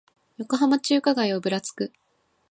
横浜中華街をぶらつく